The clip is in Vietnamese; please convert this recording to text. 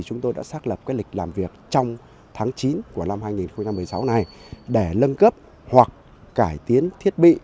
chúng tôi đã xác lập lịch làm việc trong tháng chín năm hai nghìn một mươi sáu này để nâng cấp hoặc cải tiến thiết bị